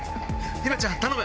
由芽ちゃん頼む！